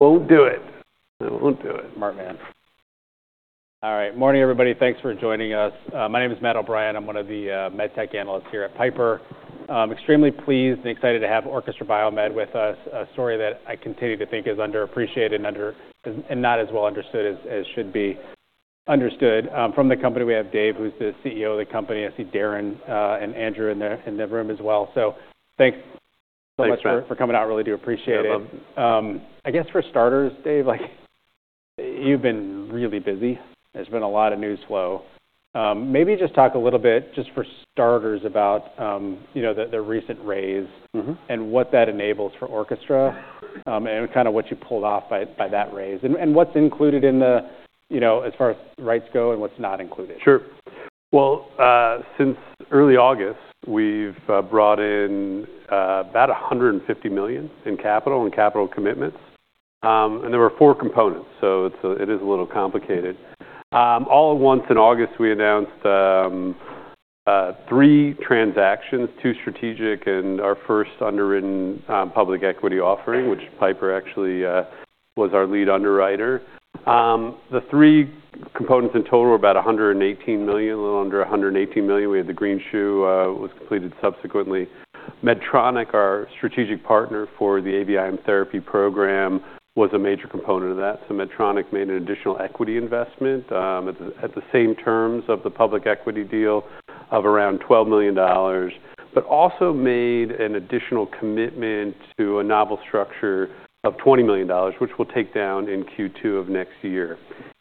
All right. Morning, everybody. Thanks for joining us. My name is Matt O'Brien. I'm one of the med tech analysts here at Piper. Extremely pleased and excited to have Orchestra BioMed with us. A story that I continue to think is underappreciated and not as well understood as should be understood. From the company, we have Dave, who's the CEO of the company. I see Darren and Andrew in there in the room as well. So thanks for coming out. Really do appreciate it. My pleasure. I guess for starters, Dave, like you've been really busy. There's been a lot of news flow. Maybe just talk a little bit, just for starters, about, you know, the recent raise. What that enables for Orchestra, and kinda what you pulled off by that raise. What's included in the, you know, as far as the rights go and what's not included. Sure. Well, since early August, we've brought in about $150 million in capital and capital commitments and there were four components, so it is a little complicated. All at once in August, we announced three transactions: two strategic and our first underwritten public equity offering, which Piper actually was our lead underwriter. The three components in total were about $118 million, a little under $118 million. We had the greenshoe, which was completed subsequently. Medtronic, our strategic partner for the AVIM therapy program, was a major component of that, so Medtronic made an additional equity investment at the same terms of the public equity deal of around $12 million, but also made an additional commitment to a novel structure of $20 million, which we'll take down in Q2 of next year.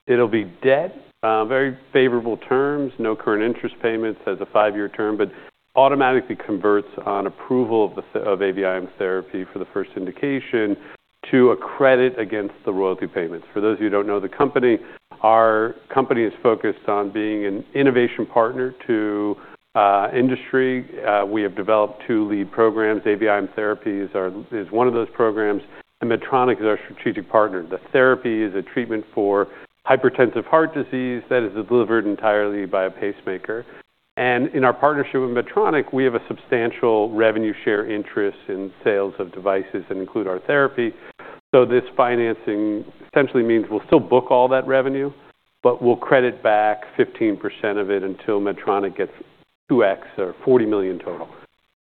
It'll be debt, very favorable terms, no current interest payments as a five-year term, but automatically converts on approval of the of AVIM therapy for the first indication to a credit against the royalty payments. For those of you who don't know the company, our company is focused on being an innovation partner to industry. We have developed two lead programs. AVIM therapy is our is one of those programs, and Medtronic is our strategic partner. The therapy is a treatment for hypertensive heart disease that is delivered entirely by a pacemaker, and in our partnership with Medtronic, we have a substantial revenue share interest in sales of devices that include our therapy, so this financing essentially means we'll still book all that revenue, but we'll credit back 15% of it until Medtronic gets 2X or $40 million total,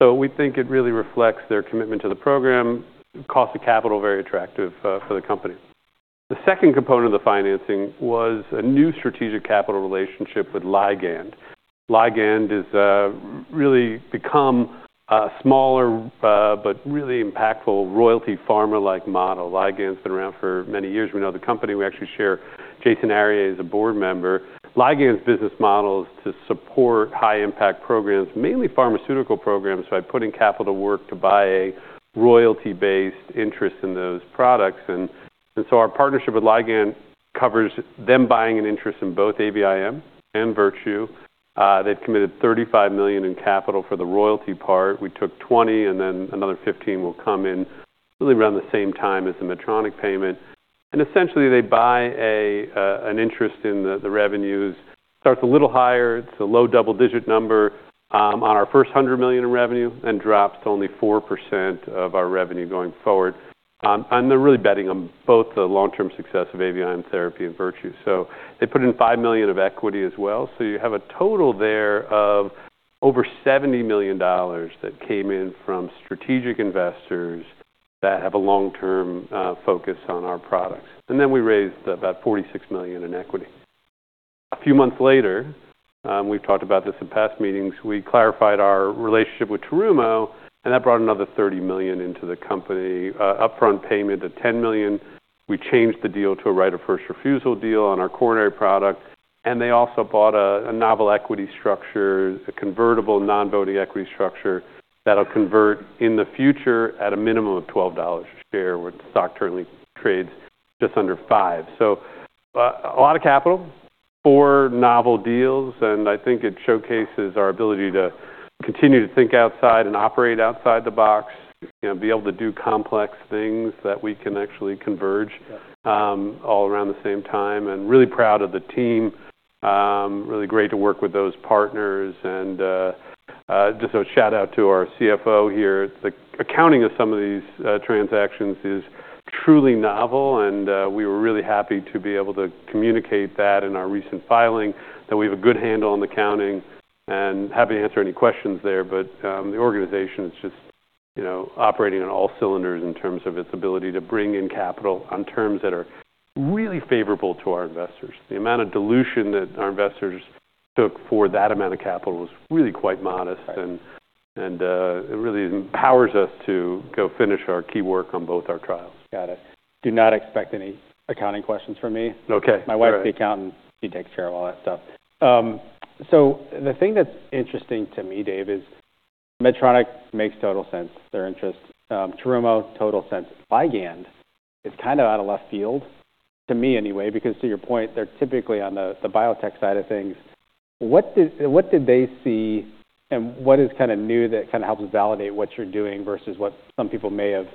so we think it really reflects their commitment to the program. Cost of capital very attractive for the company. The second component of the financing was a new strategic capital relationship with Ligand. Ligand has really become a smaller, but really impactful Royalty Pharma-like model. Ligand's been around for many years. We know the company. We actually share Jason Aryeh as a board member. Ligand's business model is to support high-impact programs, mainly pharmaceutical programs. So I put in capital work to buy a royalty-based interest in those products. And so our partnership with Ligand covers them buying an interest in both AVIM and Virtue. They've committed $35 million in capital for the royalty part. We took $20 million, and then another $15 million will come in really around the same time as the Medtronic payment. And essentially, they buy an interest in the revenues. Starts a little higher. It's a low double-digit number on our first $100 million in revenue and drops to only 4% of our revenue going forward. They're really betting on both the long-term success of AVIM therapy and Virtue. So they put in $5 million of equity as well. So you have a total there of over $70 million that came in from strategic investors that have a long-term focus on our products. And then we raised about $46 million in equity. A few months later, we've talked about this in past meetings. We clarified our relationship with Terumo, and that brought another $30 million into the company, upfront payment of $10 million. We changed the deal to a right of first refusal deal on our coronary product. And they also bought a novel equity structure, a convertible non-voting equity structure that'll convert in the future at a minimum of $12 a share, where the stock currently trades just under $5. So, a lot of capital, four novel deals, and I think it showcases our ability to continue to think outside and operate outside the box, you know, be able to do complex things that we can actually converge, all around the same time. And really proud of the team. Really great to work with those partners. And just a shout-out to our CFO here. The accounting of some of these transactions is truly novel, and we were really happy to be able to communicate that in our recent filing, that we have a good handle on the accounting. And happy to answer any questions there. The organization is just, you know, operating on all cylinders in terms of its ability to bring in capital on terms that are really favorable to our investors. The amount of dilution that our investors took for that amount of capital was really quite modest. And it really empowers us to go finish our key work on both our trials. Got it. Do not expect any accounting questions from me. Okay. My wife's the accountant. She takes care of all that stuff. So the thing that's interesting to me, Dave, is Medtronic makes total sense. Their interest, Terumo, total sense. Ligand is kinda out of left field to me anyway, because to your point, they're typically on the, the biotech side of things. What did they see, and what is kinda new that kinda helps validate what you're doing versus what some people may have,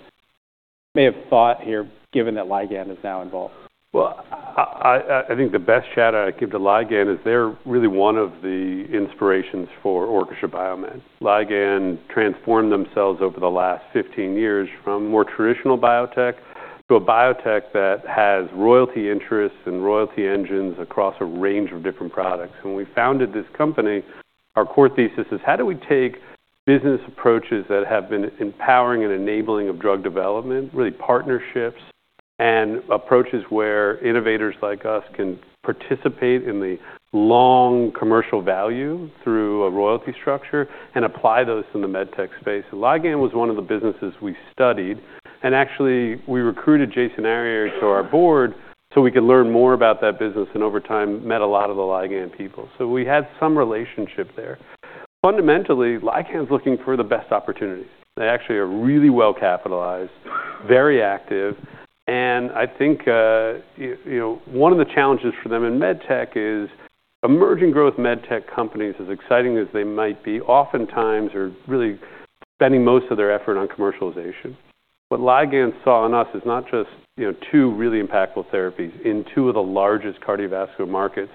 may have thought here, given that Ligand is now involved? I think the best shout-out I'd give to Ligand is they're really one of the inspirations for Orchestra BioMed. Ligand transformed themselves over the last 15 years from more traditional biotech to a biotech that has royalty interests and royalty engines across a range of different products. And when we founded this company, our core thesis is, how do we take business approaches that have been empowering and enabling of drug development, really partnerships and approaches where innovators like us can participate in the long commercial value through a royalty structure and apply those in the med tech space? Ligand was one of the businesses we studied. And actually, we recruited Jason Aryeh to our board so we could learn more about that business and over time met a lot of the Ligand people. So we had some relationship there. Fundamentally, Ligand's looking for the best opportunities. They actually are really well capitalized, very active, and I think, you know, one of the challenges for them in med tech is emerging growth med tech companies, as exciting as they might be, oftentimes are really spending most of their effort on commercialization. What Ligand saw in us is not just, you know, two really impactful therapies in two of the largest cardiovascular markets,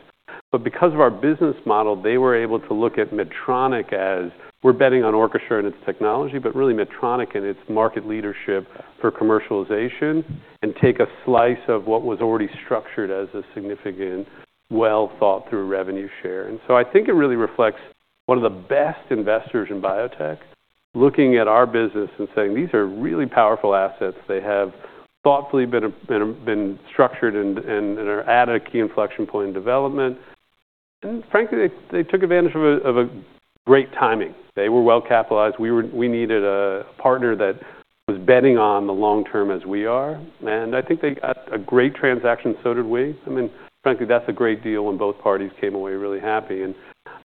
but because of our business model, they were able to look at Medtronic as we're betting on Orchestra and its technology, but really Medtronic and its market leadership for commercialization and take a slice of what was already structured as a significant, well-thought-through revenue share, and so I think it really reflects one of the best investors in biotech, looking at our business and saying, "These are really powerful assets. They have thoughtfully been structured and are at a key inflection point in development." And frankly, they took advantage of a great timing. They were well capitalized. We were. We needed a partner that was betting on the long term as we are. And I think they got a great transaction. So did we. I mean, frankly, that's a great deal, and both parties came away really happy. And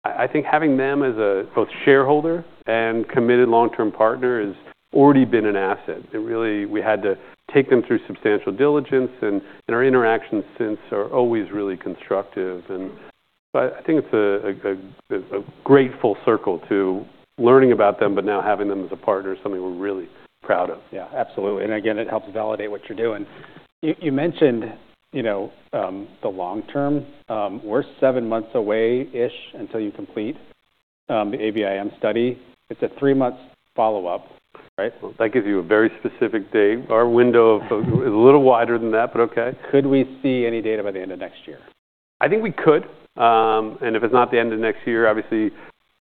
I think having them as both a shareholder and committed long-term partner has already been an asset. We had to take them through substantial diligence, and our interactions since are always really constructive. And so I think it's a great full circle to learning about them, but now having them as a partner is something we're really proud of. Yeah. Absolutely. And again, it helps validate what you're doing. You mentioned, you know, the long term. We're seven months away-ish until you complete the AVIM study. It's a three-month follow-up, right? That gives you a very specific date. Our window of it's a little wider than that, but okay. Could we see any data by the end of next year? I think we could, and if it's not the end of next year, obviously,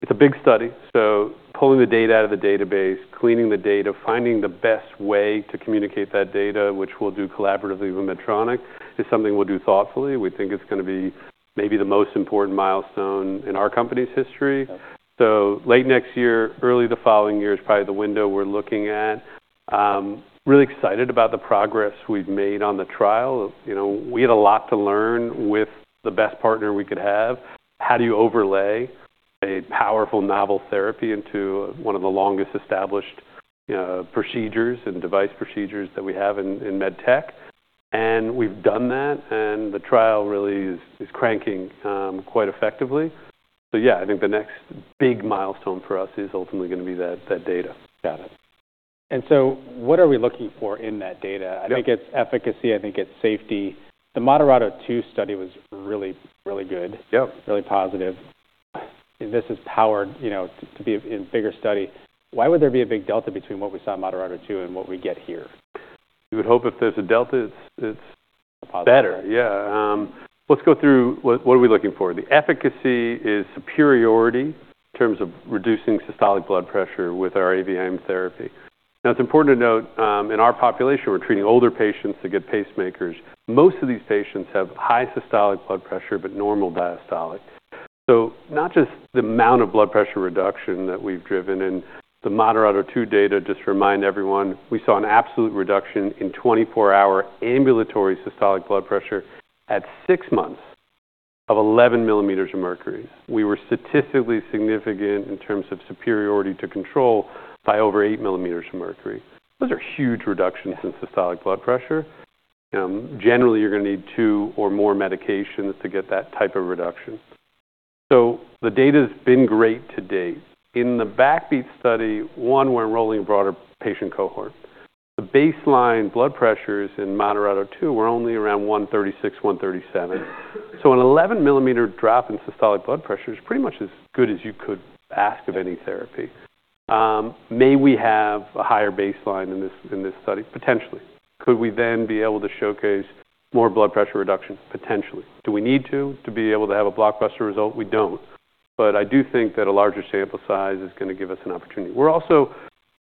it's a big study, so pulling the data out of the database, cleaning the data, finding the best way to communicate that data, which we'll do collaboratively with Medtronic, is something we'll do thoughtfully. We think it's gonna be maybe the most important milestone in our company's history, so late next year, early the following year is probably the window we're looking at. Really excited about the progress we've made on the trial. You know, we had a lot to learn with the best partner we could have. How do you overlay a powerful novel therapy into one of the longest established, you know, procedures and device procedures that we have in med tech, and we've done that, and the trial really is cranking quite effectively. So yeah, I think the next big milestone for us is ultimately gonna be that, that data. Got it. And so what are we looking for in that data? Yeah. I think it's efficacy. I think it's safety. The MODERATO II study was really, really good. Yep. Really positive. This has powered, you know, to be a bigger study. Why would there be a big delta between what we saw in MODERATO II and what we get here? You would hope if there's a delta, it's better. A positive. Yeah. Let's go through what, what are we looking for? The efficacy is superiority in terms of reducing systolic blood pressure with our AVIM therapy. Now, it's important to note, in our population, we're treating older patients that get pacemakers. Most of these patients have high systolic blood pressure but normal diastolic. So not just the amount of blood pressure reduction that we've driven. And the MODERATO II data just remind everyone, we saw an absolute reduction in 24-hour ambulatory systolic blood pressure at six months of 11 millimeters of mercury. We were statistically significant in terms of superiority to control by over 8 millimeters of mercury. Those are huge reductions in systolic blood pressure. Generally, you're gonna need two or more medications to get that type of reduction. So the data's been great to date. In the BackBeat study, one, we're enrolling a broader patient cohort. The baseline blood pressures in MODERATO II were only around 136, 137. So an 11 mm drop in systolic blood pressure is pretty much as good as you could ask of any therapy. May we have a higher baseline in this study? Potentially. Could we then be able to showcase more blood pressure reduction? Potentially. Do we need to be able to have a blockbuster result? We don't. But I do think that a larger sample size is gonna give us an opportunity. We're also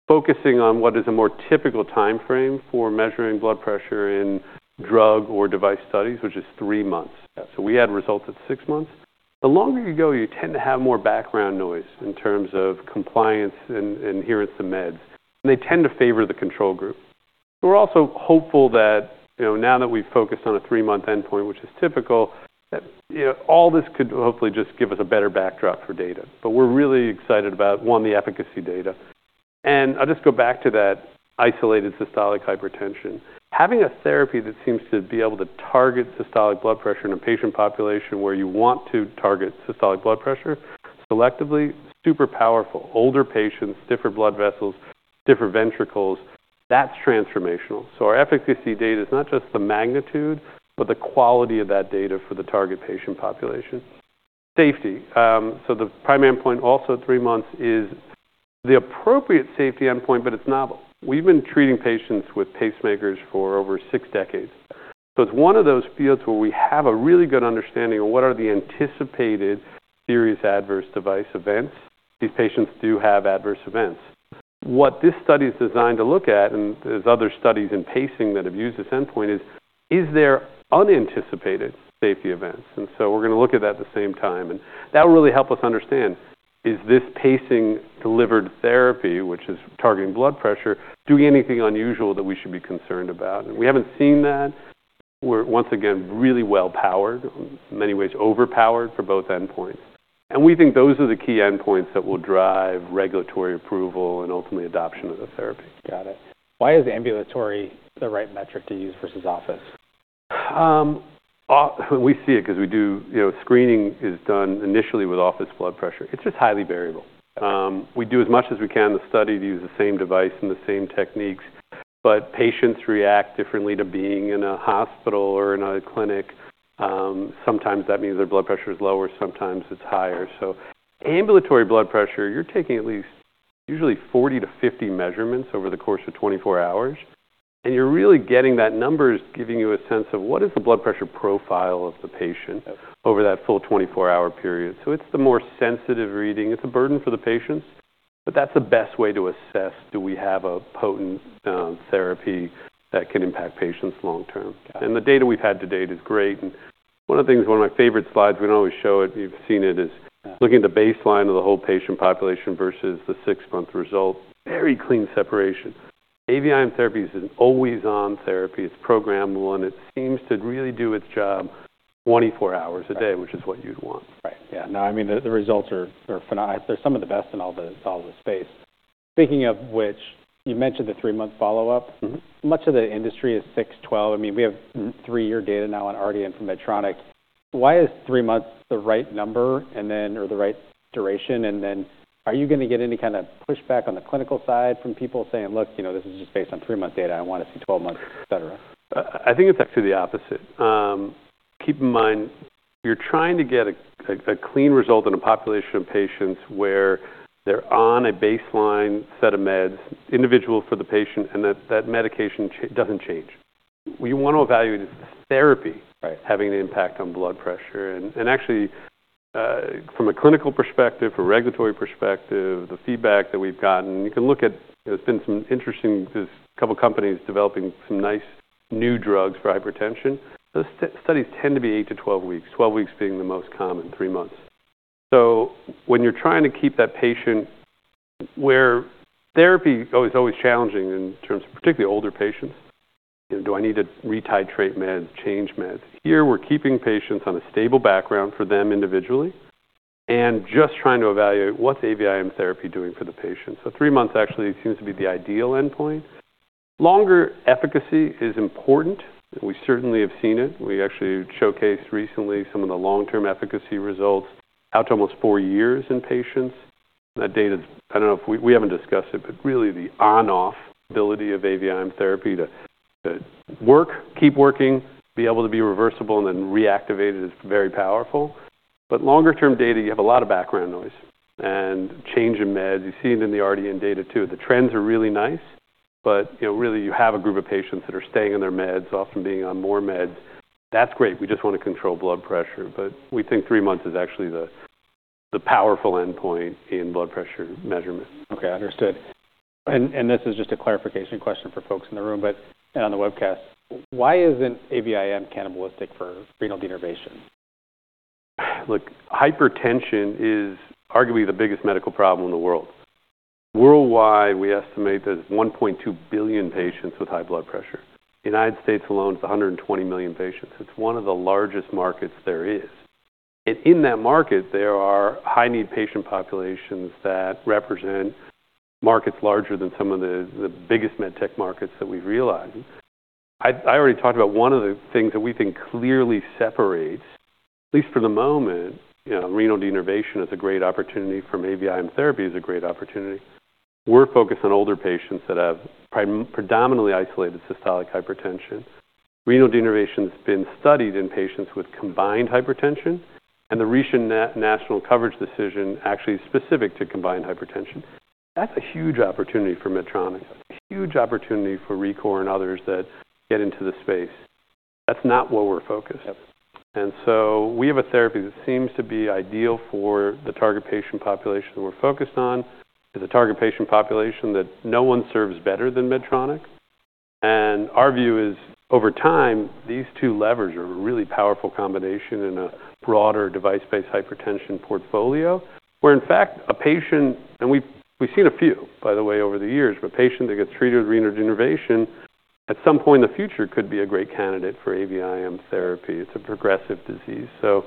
focusing on what is a more typical timeframe for measuring blood pressure in drug or device studies, which is three months. So we had results at six months. The longer you go, you tend to have more background noise in terms of compliance and adherence to meds. They tend to favor the control group. We're also hopeful that, you know, now that we've focused on a three-month endpoint, which is typical, that, you know, all this could hopefully just give us a better backdrop for data. But we're really excited about, one, the efficacy data. And I'll just go back to that isolated systolic hypertension. Having a therapy that seems to be able to target systolic blood pressure in a patient population where you want to target systolic blood pressure selectively is super powerful. Older patients, different blood vessels, different ventricles. That's transformational. So our efficacy data is not just the magnitude, but the quality of that data for the target patient population. Safety. So the prime endpoint also at three months is the appropriate safety endpoint, but it's novel. We've been treating patients with pacemakers for over six decades. It's one of those fields where we have a really good understanding of what are the anticipated serious adverse device events. These patients do have adverse events. What this study is designed to look at, and there's other studies in pacing that have used this endpoint, is there unanticipated safety events? We're gonna look at that at the same time. That will really help us understand, is this pacing-delivered therapy, which is targeting blood pressure, doing anything unusual that we should be concerned about? We haven't seen that. We're, once again, really well-powered, in many ways overpowered for both endpoints. We think those are the key endpoints that will drive regulatory approval and ultimately adoption of the therapy. Got it. Why is ambulatory the right metric to use versus office? We see it 'cause we do, you know. Screening is done initially with office blood pressure. It's just highly variable. We do as much as we can in the study to use the same device and the same techniques, but patients react differently to being in a hospital or in a clinic. Sometimes that means their blood pressure's lower. Sometimes it's higher, so ambulatory blood pressure, you're taking at least usually 40-50 measurements over the course of 24 hours, and you're really getting that number is giving you a sense of what is the blood pressure profile of the patient over that full 24-hour period, so it's the more sensitive reading. It's a burden for the patients, but that's the best way to assess, do we have a potent therapy that can impact patients long term, and the data we've had to date is great. One of the things, one of my favorite slides, we don't always show it. You've seen it, is looking at the baseline of the whole patient population versus the six-month result. Very clean separation. AVIM therapy is an always-on therapy. It's programmable, and it seems to really do its job 24 hours a day, which is what you'd want. Right. Yeah. No, I mean, the results are phenomenal. They're some of the best in all the space. Speaking of which, you mentioned the three-month follow-up. Mm-hmm. Much of the industry is 6, 12. I mean, we have three-year data now on Ardian from Medtronic. Why is three months the right number and then, or the right duration? And then are you gonna get any kinda pushback on the clinical side from people saying, "Look, you know, this is just based on three-month data. I wanna see 12 months," etc? I think it's actually the opposite. Keep in mind, you're trying to get a clean result in a population of patients where they're on a baseline set of meds, individual for the patient, and that medication doesn't change. We wanna evaluate if the therapy. Right. Having an impact on blood pressure. Actually, from a clinical perspective, a regulatory perspective, the feedback that we've gotten, you can look at, you know, there's a couple companies developing some nice new drugs for hypertension. Those studies tend to be 8-12 weeks, 12 weeks being the most common, three months. So when you're trying to keep that patient where therapy is always challenging in terms of particularly older patients, you know, do I need to retitrate meds, change meds? Here, we're keeping patients on a stable background for them individually and just trying to evaluate what's AVIM therapy doing for the patient. So three months actually seems to be the ideal endpoint. Longer efficacy is important, and we certainly have seen it. We actually showcased recently some of the long-term efficacy results out to almost four years in patients. That data's. I don't know if we haven't discussed it, but really the on-off ability of AVIM therapy to work, keep working, be able to be reversible, and then reactivate it is very powerful. But longer-term data, you have a lot of background noise and change in meds. You see it in the Ardian data too. The trends are really nice, but, you know, really you have a group of patients that are staying on their meds, often being on more meds. That's great. We just wanna control blood pressure. But we think three months is actually the powerful endpoint in blood pressure measurement. Okay. I understood. And this is just a clarification question for folks in the room, but and on the webcast, why isn't AVIM cannibalistic for renal denervation? Look, hypertension is arguably the biggest medical problem in the world. Worldwide, we estimate there's 1.2 billion patients with high blood pressure. The United States alone has 120 million patients. It's one of the largest markets there is. In that market, there are high-need patient populations that represent markets larger than some of the biggest med tech markets that we've realized. I already talked about one of the things that we think clearly separates, at least for the moment, you know, renal denervation is a great opportunity from AVIM therapy is a great opportunity. We're focused on older patients that have predominantly isolated systolic hypertension. Renal denervation has been studied in patients with combined hypertension, and the recent national coverage decision actually is specific to combined hypertension. That's a huge opportunity for Medtronic, a huge opportunity for ReCor and others that get into the space. That's not what we're focused, and so we have a therapy that seems to be ideal for the target patient population that we're focused on. It's a target patient population that no one serves better than Medtronic, and our view is over time, these two levers are a really powerful combination in a broader device-based hypertension portfolio where, in fact, a patient, and we've seen a few, by the way, over the years, but a patient that gets treated with renal denervation at some point in the future could be a great candidate for AVIM therapy. It's a progressive disease, so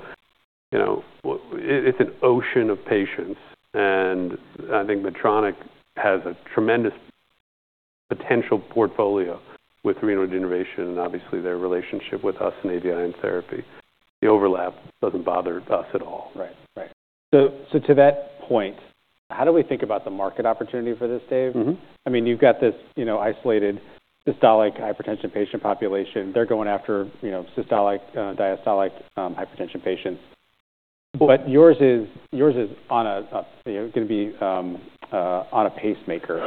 you know, it's an ocean of patients. I think Medtronic has a tremendous potential portfolio with renal denervation and obviously their relationship with us in AVIM therapy. The overlap doesn't bother us at all. Right. So to that point, how do we think about the market opportunity for this, Dave? Mm-hmm. I mean, you've got this, you know, isolated systolic hypertension patient population. They're going after, you know, systolic, diastolic, hypertension patients. But yours is on a, you know, gonna be on a pacemaker.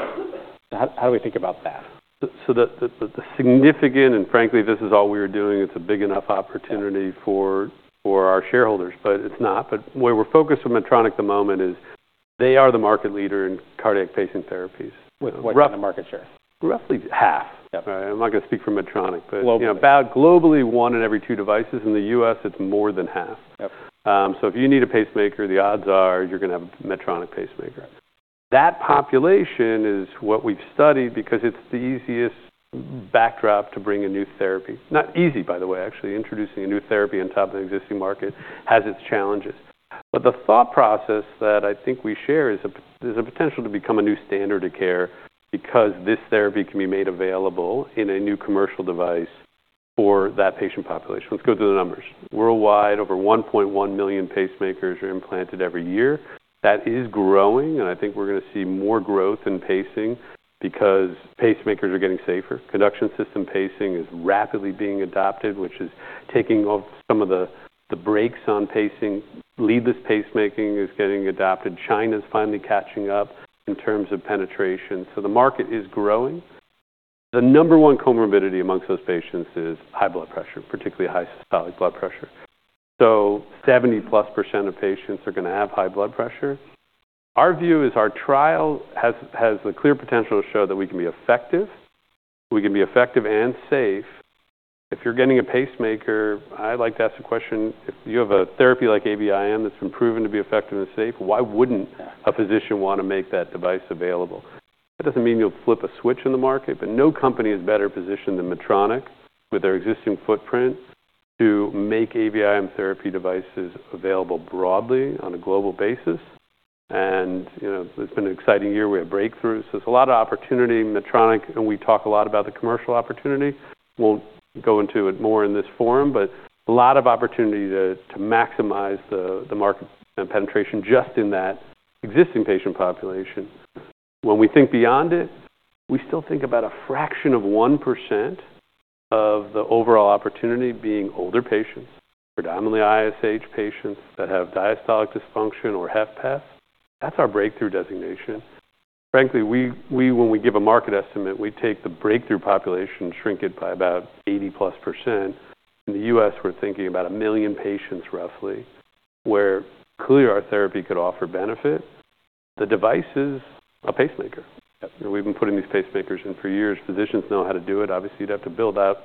How do we think about that? The significant, and frankly, this is all we are doing. It's a big enough opportunity for our shareholders, but it's not. But where we're focused with Medtronic at the moment is they are the market leader in cardiac pacing therapies. What's the market share? Roughly half. Yeah. I'm not gonna speak for Medtronic, but. Globally. You know, about globally, one in every two devices. In the U.S., it's more than half. Yep. So if you need a pacemaker, the odds are you're gonna have a Medtronic pacemaker. That population is what we've studied because it's the easiest backdrop to bring a new therapy. Not easy, by the way. Actually, introducing a new therapy on top of the existing market has its challenges. But the thought process that I think we share is a, there's a potential to become a new standard of care because this therapy can be made available in a new commercial device for that patient population. Let's go through the numbers. Worldwide, over 1.1 million pacemakers are implanted every year. That is growing, and I think we're gonna see more growth in pacing because pacemakers are getting safer. Conduction system pacing is rapidly being adopted, which is taking off some of the breaks on pacing. Leadless pacemaking is getting adopted. China's finally catching up in terms of penetration. So the market is growing. The number one comorbidity amongst those patients is high blood pressure, particularly high systolic blood pressure. So 70%+ of patients are gonna have high blood pressure. Our view is our trial has the clear potential to show that we can be effective. We can be effective and safe. If you're getting a pacemaker, I'd like to ask a question. If you have a therapy like AVIM that's been proven to be effective and safe, why wouldn't a physician wanna make that device available? That doesn't mean you'll flip a switch in the market, but no company is better positioned than Medtronic with their existing footprint to make AVIM therapy devices available broadly on a global basis. And, you know, it's been an exciting year. We have breakthroughs. There's a lot of opportunity. Medtronic, and we talk a lot about the commercial opportunity. Won't go into it more in this forum, but a lot of opportunity to maximize the market and penetration just in that existing patient population. When we think beyond it, we still think about a fraction of 1% of the overall opportunity being older patients, predominantly ISH patients that have diastolic dysfunction or HFpEF. That's our breakthrough designation. Frankly, we when we give a market estimate, we take the breakthrough population and shrink it by about 80%+. In the U.S., we're thinking about a million patients roughly where clearly our therapy could offer benefit. The device is a pacemaker. Yep. We've been putting these pacemakers in for years. Physicians know how to do it. Obviously, you'd have to build out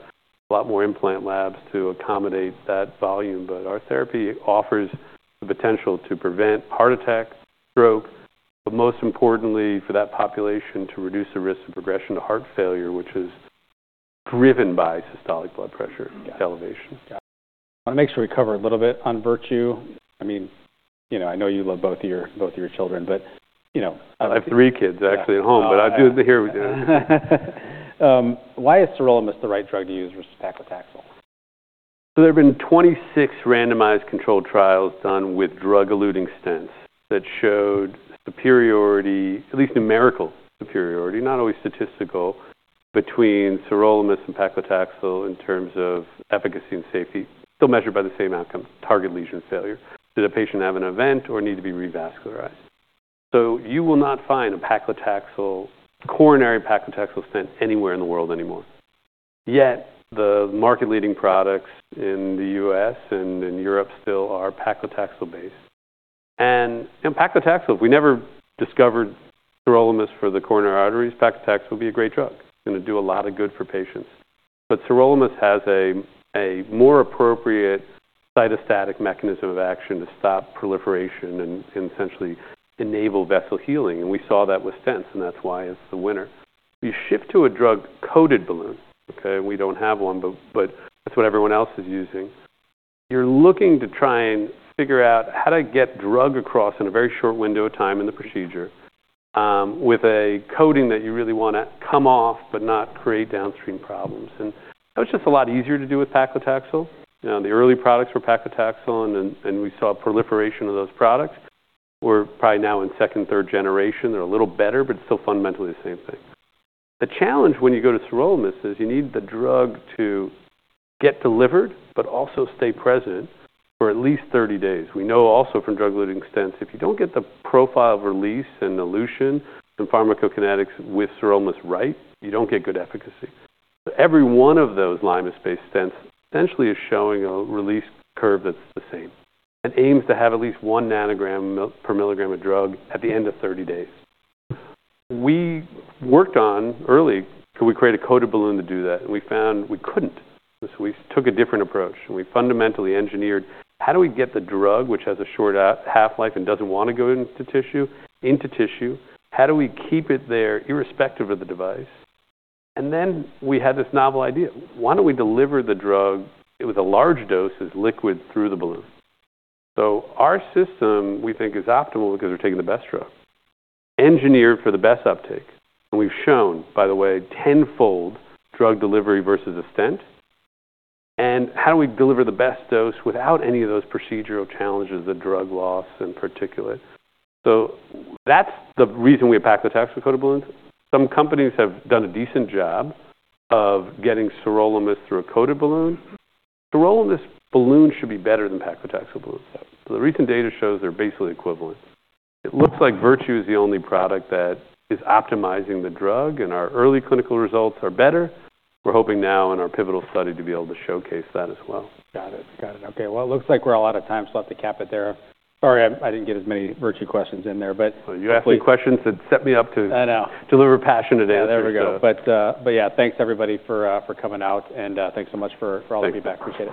a lot more implant labs to accommodate that volume. But our therapy offers the potential to prevent heart attack, stroke, but most importantly for that population to reduce the risk of progression to heart failure, which is driven by systolic blood pressure elevation. Got it. Got it. I wanna make sure we cover a little bit on Virtue. I mean, you know, I know you love both of your, both of your children, but, you know. I have three kids actually at home, but I do hear what you're saying. Why is sirolimus the right drug to use versus paclitaxel? There have been 26 randomized controlled trials done with drug-eluting stents that showed superiority, at least numerical superiority, not always statistical, between sirolimus and paclitaxel in terms of efficacy and safety, still measured by the same outcome, target lesion failure. Did a patient have an event or need to be revascularized? You will not find a paclitaxel, coronary paclitaxel stent anywhere in the world anymore. Yet the market-leading products in the U.S. and in Europe still are paclitaxel-based. And, you know, paclitaxel, if we never discovered sirolimus for the coronary arteries, paclitaxel would be a great drug. It's gonna do a lot of good for patients. But sirolimus has a more appropriate cytostatic mechanism of action to stop proliferation and essentially enable vessel healing. And we saw that with stents, and that's why it's the winner. You shift to a drug-coated balloon, okay? We don't have one, but that's what everyone else is using. You're looking to try and figure out how to get drug across in a very short window of time in the procedure, with a coating that you really wanna come off but not create downstream problems. And that was just a lot easier to do with paclitaxel. You know, the early products were paclitaxel, and we saw proliferation of those products. We're probably now in second, third generation. They're a little better, but it's still fundamentally the same thing. The challenge when you go to sirolimus is you need the drug to get delivered but also stay present for at least 30 days. We know also from drug-eluting stents, if you don't get the profile of release and elution and pharmacokinetics with sirolimus right, you don't get good efficacy. Every one of those limus-based stents essentially is showing a release curve that's the same and aims to have at least one nanogram per milligram of drug at the end of 30 days. We worked on early, could we create a coated balloon to do that? And we found we couldn't. So we took a different approach, and we fundamentally engineered how do we get the drug, which has a short half-life and doesn't wanna go into tissue, into tissue? How do we keep it there irrespective of the device? And then we had this novel idea. Why don't we deliver the drug with a large dose as liquid through the balloon? So our system we think is optimal because we're taking the best drug, engineered for the best uptake. And we've shown, by the way, tenfold drug delivery versus a stent. How do we deliver the best dose without any of those procedural challenges of drug loss and particulate? That's the reason we have paclitaxel coated balloons. Some companies have done a decent job of getting sirolimus through a coated balloon. Sirolimus balloon should be better than paclitaxel balloon. The recent data shows they're basically equivalent. It looks like Virtue is the only product that is optimizing the drug, and our early clinical results are better. We're hoping now in our pivotal study to be able to showcase that as well. Got it. Got it. Okay. Well, it looks like we're all out of time. So I have to cap it there. Sorry, I didn't get as many Virtue questions in there, but. You asked me questions that set me up to. I know. Deliver passion today. There we go. But yeah, thanks everybody for coming out, and thanks so much for all the feedback. Thank you. We appreciate it.